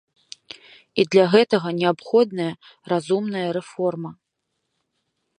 І для гэтага неабходная разумная рэформа.